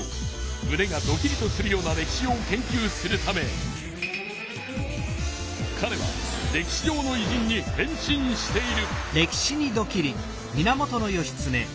むねがドキリとするような歴史を研究するためかれは歴史上のいじんに変身している。